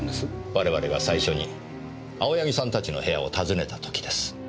我々が最初に青柳さんたちの部屋を訪ねた時です。